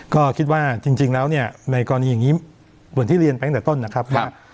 ก็คิดว่าจริงแล้วเนี่ยในกรณีอย่างนี้เหมือนที่เรียนไปตั้งแต่ต้นนะครับว่า